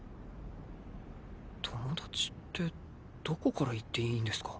友達ってどこから言っていいんですか？